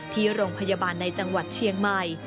ที่โรงพยาบาลในจังหวัดเชียงใหม่